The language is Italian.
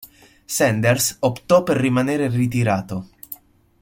Sanders optò per rimanere ritirato.